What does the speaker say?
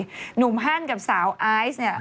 หนุ่มฮั่นกับสาวไอซ์เนี่ย